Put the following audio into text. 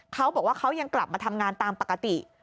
เขาบอกว่าเขายังกลับมาทำงานตามปกติ